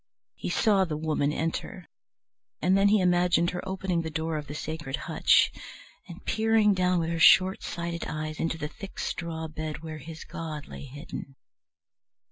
He saw the Woman enter, and then he imagined her opening the door of the sacred hutch and peering down with her short sighted eyes into the thick straw bed where his god lay hidden.